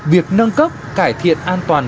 việc nâng cấp cải thiện an toàn